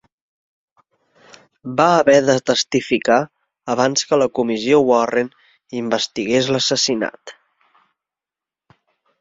Va haver de testificar abans que la Comissió Warren investigués l'assassinat.